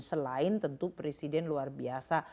selain tentu presiden luar biasa